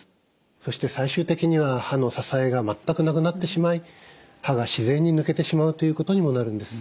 そして最終的には歯の支えが全くなくなってしまい歯が自然に抜けてしまうということにもなるんです。